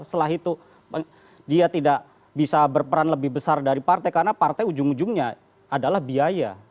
setelah itu dia tidak bisa berperan lebih besar dari partai karena partai ujung ujungnya adalah biaya